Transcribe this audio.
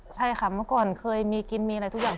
ใช่ค่ะเมื่อก่อนเคยมีกินมีอะไรทุกอย่าง